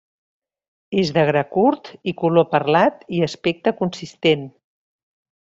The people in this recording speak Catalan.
És de gra curt i color perlat i aspecte consistent.